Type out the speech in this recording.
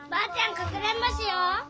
かくれんぼしよう！